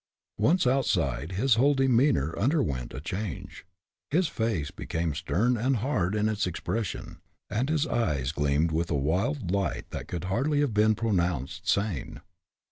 Once outside, his whole demeanor underwent a change. His face became stern and hard in its expression, and his eyes gleamed with a wild light that could hardly have been pronounced sane.